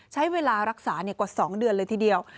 ใช้เวลารักษากว่า๒เดือนเลยทีเดียว